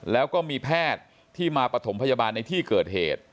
แล้วก็มีแพทย์ที่มาปฐมพยาบาลในที่เกิดเหตุ